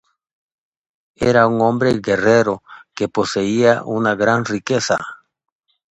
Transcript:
Era un hombre guerrero que poseía una gran riqueza.